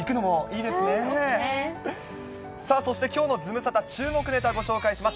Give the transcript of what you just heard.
さあ、そしてきょうのズムサタ、注目ネタご紹介します。